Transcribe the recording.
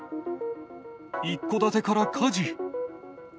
一戸建てから火事。